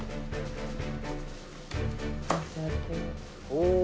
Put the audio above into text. お。